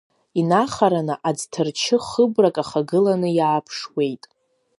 Инахараны аӡҭарчы хыбрак ахагыланы иааԥшуеит.